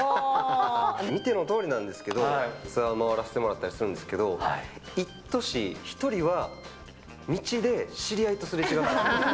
見てのとおりなんですけれども、ツアーを回らせてもらったりするんですけど、１都市一人は道で知り合いとすれ違うんですよ。